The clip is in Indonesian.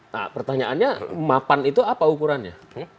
nah pertanyaannya mapan itu apa ukurannya